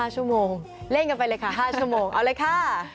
๕ชั่วโมงเล่นกันไปเลยค่ะ๕ชั่วโมงเอาเลยค่ะ